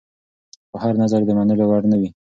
خو هر نظر د منلو وړ نه وي.